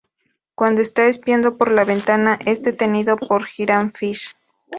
Cuando está espiando por la ventana es detenido por Hiram Fish.